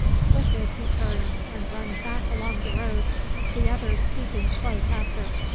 With this he turns, and runs back along the road, the others keeping close after.